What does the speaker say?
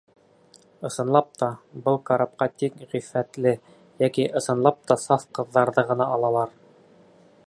Ысынлап та, был карапҡа тик ғиффәтле, йәки ысынлап та саф ҡыҙҙарҙы ғына алалар.